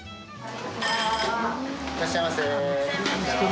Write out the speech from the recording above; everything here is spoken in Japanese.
いらっしゃいませ。